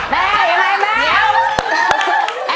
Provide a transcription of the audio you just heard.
แม่เห็นไหม